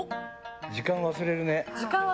時間、忘れるね。